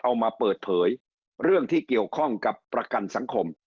เอามาเปิดเผยเรื่องที่เกี่ยวข้องกับประกันสังคม